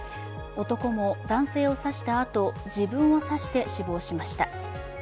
男も男性を刺したあと自分を刺して死亡しました。